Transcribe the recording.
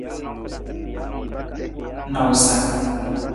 Nawusa.